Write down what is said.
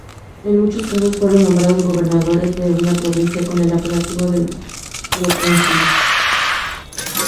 En muchos casos fueron nombrados gobernadores de una provincia con el apelativo de procónsul.